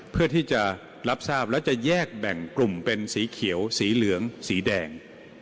เพื่อที่จะรับทราบแล้วจะแยกแบ่งกลุ่มเป็นสีเขียวสีเหลืองสีแดง